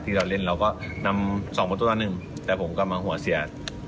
ที่เราเล่นเราก็นำสองประตูต่อหนึ่งแต่ผมก็มาหัวเสีย